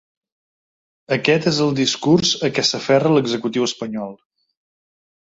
Aquest és el discurs a què s’aferra l’executiu espanyol.